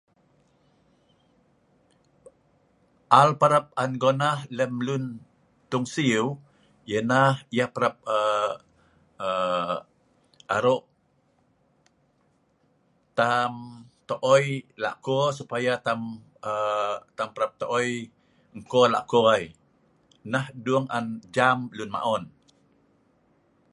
Al parap an gunah lem lun tung siu ianah yah prap aaa aaa aro' tam tooi lako' supaya tam prap tooi engko lako ai nah dung an ee jam lun maon.